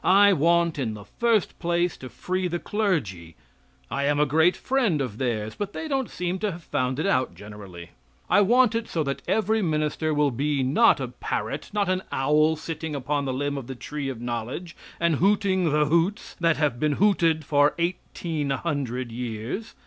I want in the first place to free the clergy. I am a great friend of theirs, but they don't seem to have found it out generally. I want it so that every minister will be not a parrot, not an owl sitting upon the limb of the tree of knowledge and hooting the hoots that have been hooted for eighteen hundred years.